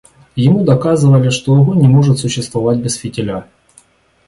Ему доказывали, что огонь не может существовать без фитиля.